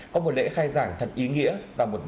có một lễ khai giảng thật ý nghĩa và một năm học mới